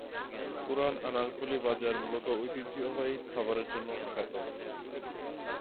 পুরান আনারকলি বাজার মূলত ঐতিহ্যবাহী খাবারের জন্য খ্যাত।